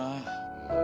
うん。